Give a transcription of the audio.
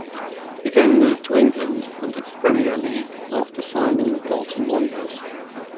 He then moved to England and its Premier League, after signing with Bolton Wanderers.